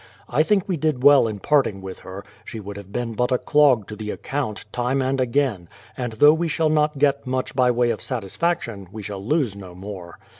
I think we did well in parting with her; she would have been but a clog to the account, time and again, and though we shall not get much by way of satisfaction, we shall lose no more.